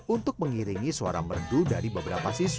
untuk mengiringi suara merdu dari beberapa siswa